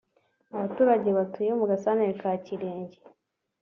Abaturage batuye mu gasanteri ka Kirenge